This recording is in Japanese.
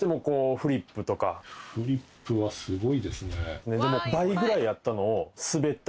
フリップがすごいですね。